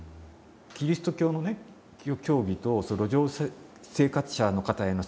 キリスト教の教義と路上生活者の方へのサポートがね